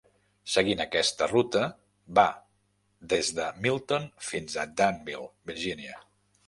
Seguint aquesta ruta, va des de Milton fins a Danville, Virgínia.